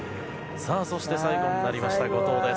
そして、最後になりました後藤です。